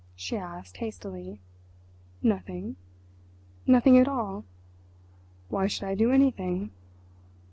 she asked hastily. "Nothing." "Nothing at all?" "Why should I do anything?"